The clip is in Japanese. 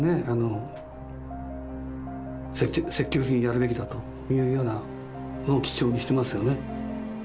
積極的にやるべきだというようなのを基調にしてますよね。